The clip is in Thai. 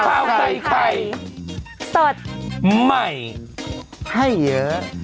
ข้าวใส่ไข่สดใหม่ให้เยอะ